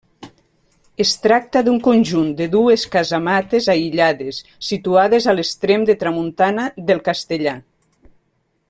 Es tracta d'un conjunt de dues casamates aïllades, situades a l'extrem de tramuntana del Castellar.